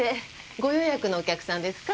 ご予約のお客さんですか？